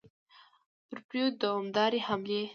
پر پردیو دوامدارې حملې.